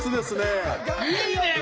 いいねえ